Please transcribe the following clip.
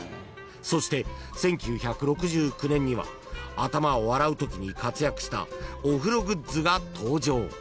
［そして１９６９年には頭を洗うときに活躍したお風呂グッズが登場］